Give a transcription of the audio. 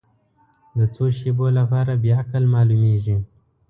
د څو شیبو لپاره بې عقل معلومېږي.